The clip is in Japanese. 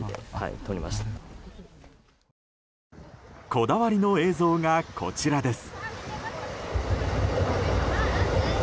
こだわりの映像がこちらです。